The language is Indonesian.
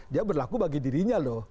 dia berlaku bagi dirinya loh